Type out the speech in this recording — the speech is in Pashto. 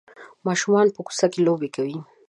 ماشومان په کوڅه کې لوبې کوي.